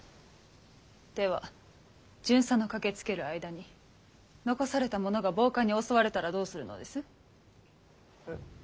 では巡査の駆けつける間に残された者が暴漢に襲われたらどうするのです？え？